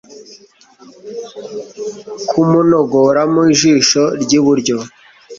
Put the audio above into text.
ko munogoramo ijisho ry'iburyo